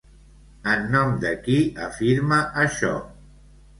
En nom de qui afirma això?